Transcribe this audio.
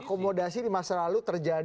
akomodasi di masa lalu terlalu banyak